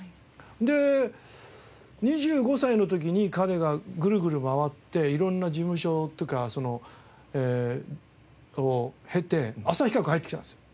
で２５歳の時に彼がぐるぐる回って色んな事務所っていうかそのを経て浅井企画に入ってきたんですよ。